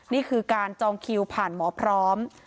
นี่คือการจองคิวผ่านหมอพร้อม